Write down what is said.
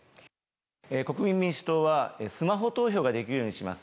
国民民主党は、スマホ投票ができるようにします。